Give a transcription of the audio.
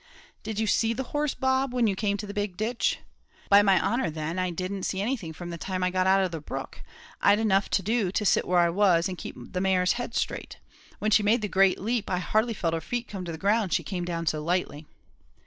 "Did you see the horse, Bob, when you came to the big ditch?" "By my honour, then, I didn't see anything from the time I got out of the brook. I'd enough to do to sit where I was, and keep the mare's head straight. When she made the great leap, I hardly felt her feet come to the ground, she came down so lightly."